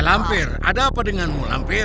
lampir ada apa denganmu